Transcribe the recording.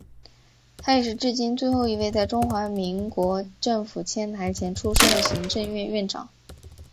他也是至今最后一位在中华民国政府迁台前出生的行政院院长。